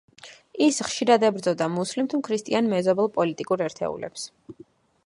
ის ხშირად ებრძოდა მუსლიმ თუ ქრისტიან მეზობელ პოლიტიკურ ერთეულებს.